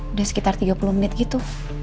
udah sekitar tiga puluh menit gitu